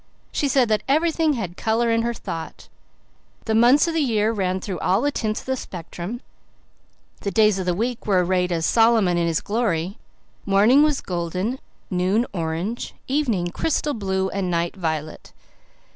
She said that everything had colour in her thought; the months of the year ran through all the tints of the spectrum, the days of the week were arrayed as Solomon in his glory, morning was golden, noon orange, evening crystal blue, and night violet.